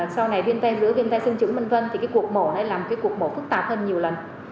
sau này viên tai giữa viên tai xương trứng v v thì cái cuộc mổ này làm cái cuộc mổ phức tạp hơn nhiều lần